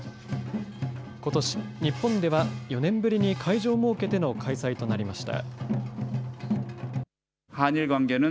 ことし、日本では４年ぶりに会場を設けての開催となりました。